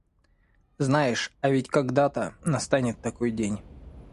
Знаешь, а ведь когда-то настанет такой день.